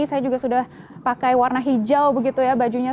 saya juga sudah pakai warna hijau begitu ya bajunya